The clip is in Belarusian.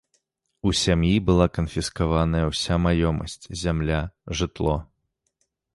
У сям'і была канфіскаваная ўся маёмасць, зямля, жытло.